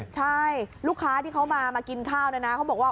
ใช่ลูกค้าที่เขามากินข้าวนะ